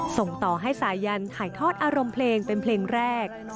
ส่งต่อให้สายันถ่ายทอดอารมณ์เพลงเป็นเพลงแรก